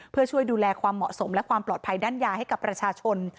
เพื่อช่วยดูแลความเหมาะสมและความปลอดภัยด้านยาให้กับประชาชน